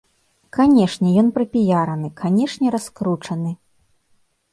Канешне, ён прапіяраны, канешне, раскручаны.